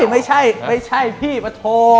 ไม่ใช่พี่ปะโท